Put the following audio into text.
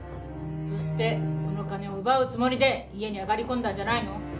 そしてその金を奪うつもりで家に上がり込んだんじゃないの？